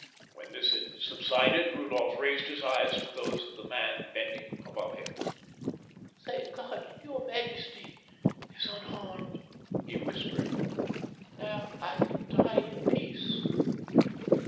When this had subsided Rudolph raised his eyes to those of the man bending above him. "Thank God, your majesty is unharmed," he whispered. "Now I can die in peace."